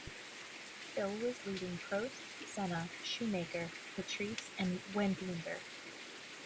Hill was leading Prost, Senna, Schumacher, Patrese and Wendlinger.